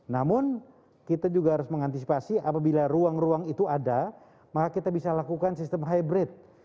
namun kita juga harus mengantisipasi apabila ruang ruang itu ada maka kita bisa lakukan sistem hybrid